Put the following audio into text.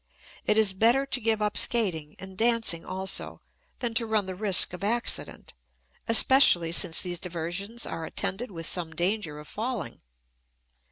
It is better to give up skating and dancing also than to run the risk of accident, especially since these diversions are attended with some danger of falling.